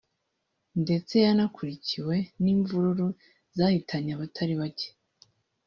ndetse yanakurikiwe n’imvururu zahitanye abatari bake